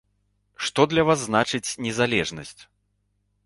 Што для вас значыць незалежнасць?